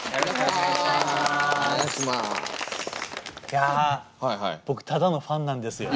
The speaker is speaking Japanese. いや僕ただのファンなんですよ。